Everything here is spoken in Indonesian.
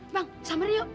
bang samar yuk